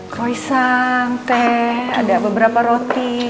koisang teh ada beberapa roti